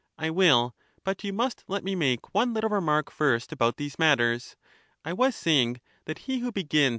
I will; but you must let me make one little remark if a man first about these matters ; I was saying, that he who begins ^j^'?